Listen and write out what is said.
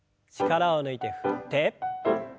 力を抜いて振って。